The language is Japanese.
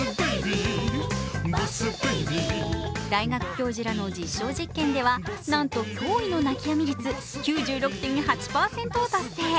大学教授らの実証実験ではなんと脅威の泣きやみ率９６．８％を達成。